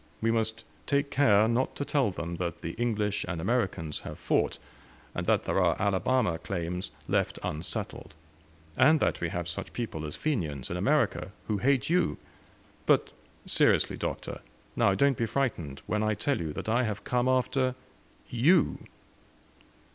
We must take care not to tell them that the English and Americans have fought, and that there are 'Alabama' claims left unsettled, and that we have such people as Fenians in America, who hate you. But, seriously, Doctor now don't be frightened when I tell you that I have come after YOU!"